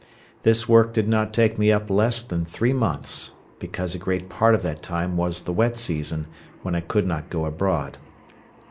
This work did not take me up less than three months, because a great part of that time was the wet season, when I could not go abroad.